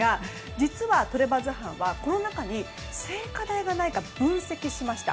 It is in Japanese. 実は、トレバズ班はこの中に聖火台がないか分析しました。